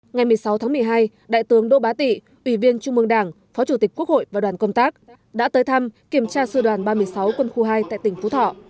ngày một mươi sáu tháng một mươi hai đại tướng đỗ bá tị ủy viên trung mương đảng phó chủ tịch quốc hội và đoàn công tác đã tới thăm kiểm tra sư đoàn ba mươi sáu quân khu hai tại tỉnh phú thọ